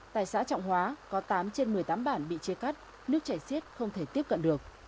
tại xã trọng hóa có tám trên một mươi tám bản bị chia cắt nước chảy xiết không thể tiếp cận được